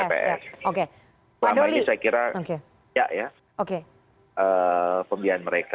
pertama ini saya kira ya ya pembinaan mereka